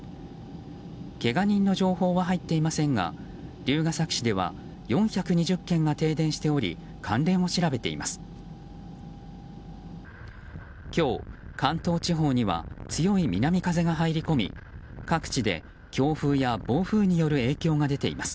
けが人の情報は入っていませんが龍ケ崎市では４２０棟が停電しており関連を調べています。